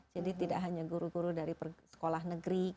jadi tidak hanya guru guru dari sekolah negeri